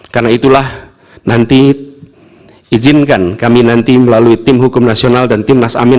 karena itulah nanti izinkan kami nanti melalui tim hukum nasional dan tim nasamin